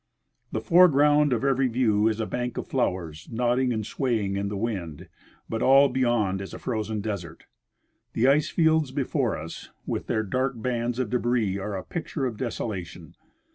The foreground of every view is a bank of flowers nodding and swaying in the wind, but all beyond is a frozen desert. The ice fields before us, with their dark bands of debris, are a picture of desolation.